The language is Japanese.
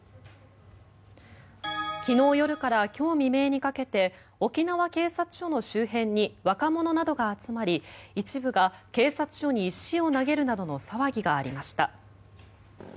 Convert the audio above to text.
昨日夜から今日未明にかけて沖縄警察署の周辺に若者などが集まり一部が警察署に石を投げるなどの騒ぎがありました。